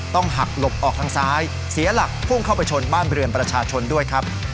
ต้องหักหลบออกทางซ้ายเสียหลักพุ่งเข้าไปชนบ้านเรือนประชาชนด้วยครับ